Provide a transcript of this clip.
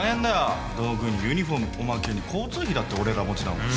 道具にユニホームおまけに交通費だって俺ら持ちだもん。